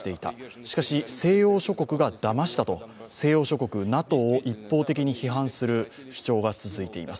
しかし西洋諸国がだましたと、西洋諸国、ＮＡＴＯを一方的に批判する主張が続いています。